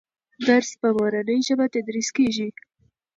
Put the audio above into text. درس په مورنۍ ژبه تدریس کېږي.